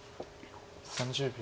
３０秒。